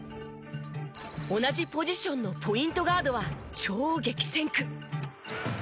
同じポジションのポイントガードは超激戦区。